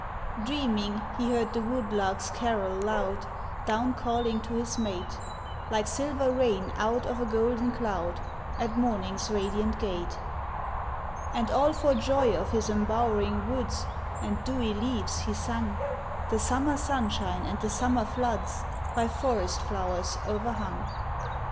Dreaming he heard the wood lark's carol loud, Down calling to his mate, Like silver rain out of a golden cloud, At morning's radiant gate. And all for joy of his embowering woods, And dewy leaves he sung, The summer sunshine, and the summer floods By forest flowers o'erhung.